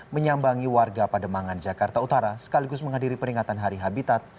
menyambangi warga pademangan jakarta utara sekaligus menghadiri peringatan hari habitat